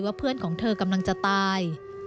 เพื่อนของเธอกำลังจะตาย